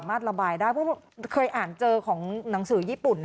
มลัดละบายได้เพื่อบอกว่าเราเคยอ่านเจอของหนังสือญี่ปุ่น